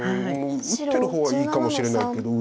打ってる方はいいかもしれないけど。